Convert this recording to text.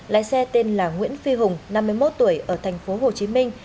lái xe tên là nguyễn phi hùng năm mươi một tuổi ở thành phố hồ chí minh